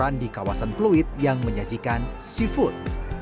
makanan di kawasan pluit yang menyajikan seafood